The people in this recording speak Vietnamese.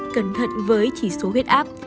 hai cẩn thận với chỉ số huyết áp